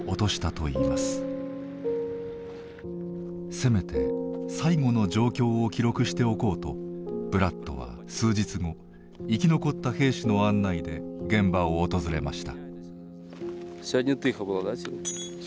せめて最期の状況を記録しておこうとブラッドは数日後生き残った兵士の案内で現場を訪れました。